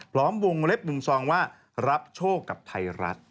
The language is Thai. พร้อมวงเล็บหนึ่งซองว่ารับโชคกับไทยรัฐ